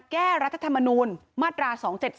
รัฐธรรมนูลมาตรา๒๗๒